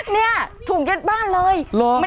นี่ควันอีกแล้ว